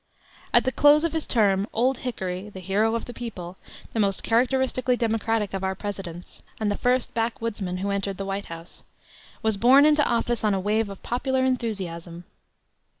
At the close of his term "Old Hickory," the hero of the people, the most characteristically democratic of our Presidents, and the first backwoodsman who entered the White House, was borne into office on a wave of popular enthusiasm.